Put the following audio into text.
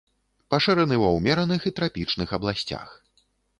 Пашыраны ва ўмераных і трапічных абласцях.